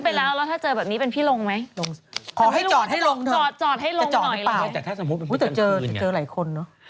แต่ถ้าสมมุติเป็นทางคืนอย่างนี้จะเจอหลายคนเนอะ